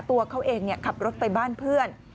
ตัวเขาเองขับรถไปบ้านเพื่อน